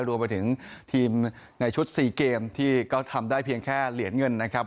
รวมไปถึงทีมในชุด๔เกมที่ก็ทำได้เพียงแค่เหรียญเงินนะครับ